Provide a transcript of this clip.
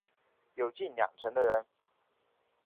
有近两成的人